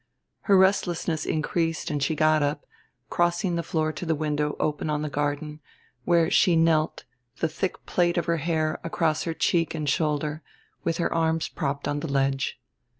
Her restlessness increased and she got up, crossing the floor to the window open on the garden, where she knelt, the thick plait of her hair across her cheek and shoulder, with her arms propped on the ledge.